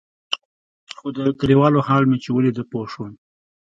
خو د كليوالو حال چې مې ولېد پوه سوم.